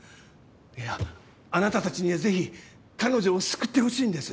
いやあなたたちにはぜひ彼女を救ってほしいんです。